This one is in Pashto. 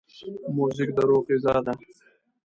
موزیک د روح غذا ده.